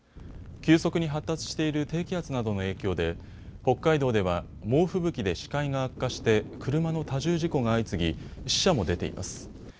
急速に発達している低気圧などの影響で北海道では猛吹雪で視界が悪化して車の多重事故が相次ぎ死者も出ています。